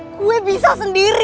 gue bisa sendiri